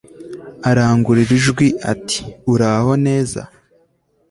arangurura ijwi ati 'uraho neza